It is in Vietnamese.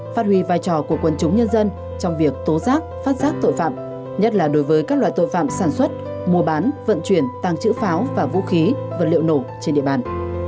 phát huy vai trò của quân chúng nhân dân trong việc tố giác phát giác tội phạm nhất là đối với các loại tội phạm sản xuất mua bán vận chuyển tăng trữ pháo và vũ khí vật liệu nổ trên địa bàn